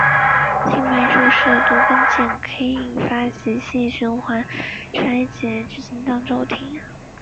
静脉注射毒蕈碱可以引发急性循环衰竭至心脏骤停。